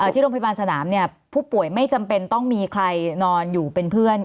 ที่โรงพยาบาลสนามผู้ป่วยไม่จำเป็นต้องมีใครนอนอยู่เป็นเพื่อน